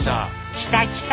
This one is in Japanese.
来た来た！